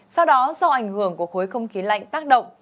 sau đó do ảnh hưởng của khối không khí lạnh tác động